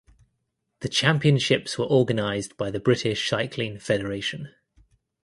The Championships were organised by the British Cycling Federation.